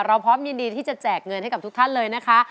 พร้อมยินดีที่จะแจกเงินให้กับทุกท่านเลยนะคะ